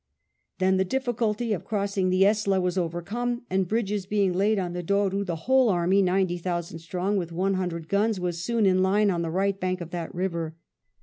Then the difficulty of crossing the Eslawas overcome, and bridges being laid on the Douro, the whole army, ninety thousand strong, with one hundred guns, was soon in line on the right bank of that river.